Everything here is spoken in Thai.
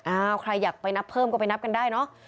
ใครอยากไปนับเพิ่มก็ไปนับกันได้เนอะ